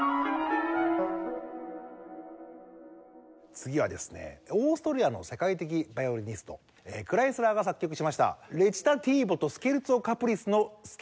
次はですねオーストリアの世界的ヴァイオリニストクライスラーが作曲しました『レチタティーヴォとスケルツォ・カプリス』のスケルツォパートでございます。